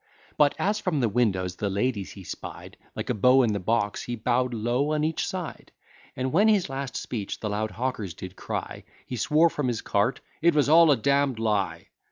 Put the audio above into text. But, as from the windows the ladies he spied, Like a beau in the box, he bow'd low on each side! And when his last speech the loud hawkers did cry, He swore from his cart, "It was all a damn'd lie!"